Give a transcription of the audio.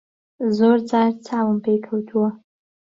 زۆر جار چاوم پێی کەوتووە.